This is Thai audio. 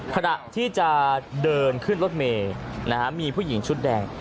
ขณะที่จะเดินขึ้นรถเมย์มีผู้หญิงชุดแดง